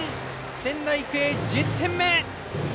仙台育英、１０点目！